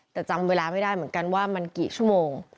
แต่จำเวลามันใจไม่ได้บอกว่ามันกี่ชั่วโมง